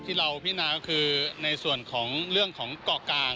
ที่เราพินาก็คือในส่วนของเรื่องของเกาะกลาง